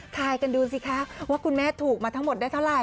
ทายกันดูสิคะว่าคุณแม่ถูกมาทั้งหมดได้เท่าไห